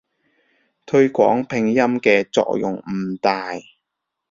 推廣拼音嘅作用唔大